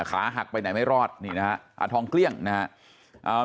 ขาหักไปไหนไม่รอดนี่นะฮะอ่าทองเกลี้ยงนะฮะอ่า